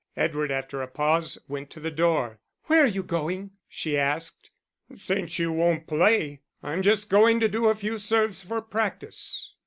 Edward, after a pause, went to the door. "Where are you going?" she asked. "Since you won't play, I'm just going to do a few serves for practice."